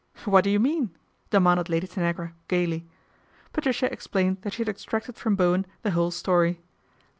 '' What do you mean ?'' demanded Lady Tanagra gaily. Patricia explained that she had extracted from Bowen the whole story.